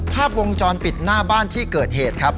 ภาพวงจรปิดหน้าบ้านที่เกิดเหตุครับ